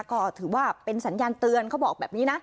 ก็ถือว่าเป็นสัญญาณเตือนเขาบอกแบบนี้นะ